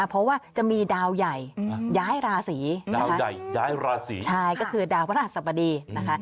เพราะว่าจะมีดาวใหญ่ย้ายราศีดาวใหญ่ย้ายราศีใช่ก็คือดาวพระราชสบดีนะคะ